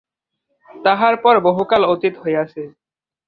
তাহার পর বহুকাল অতীত হইয়াছে।